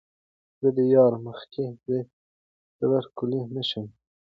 زۀ د يار مخکښې زېر لېمۀ زبَر کؤلے نۀ شم